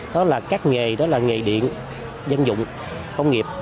đó là các nghề đó là nghề điện dân dụng công nghiệp